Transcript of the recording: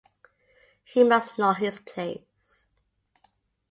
He must know his place.